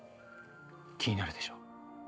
気になるでしょ？